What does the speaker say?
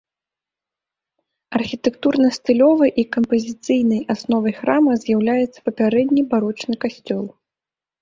Архітэктурна-стылёвай і кампазіцыйнай асновай храма з'яўляецца папярэдні барочны касцёл.